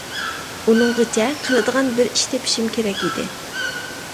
ئۇنىڭغىچە قىلىدىغان بىر ئىش تېپىشىم كېرەك ئىدى.